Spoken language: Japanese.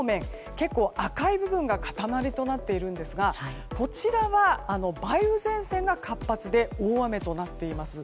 結構、赤い部分が固まりとなっているんですがこちらは梅雨前線が活発で大雨となっています。